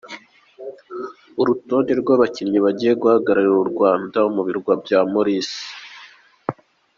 Urutonde rw’abakinnyi bagiye guhagararira u Rwanda mu birwa bya Maurice.